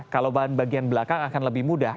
kalau bagian belakang akan lebih mudah